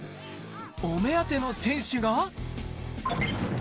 お目当ての選手が。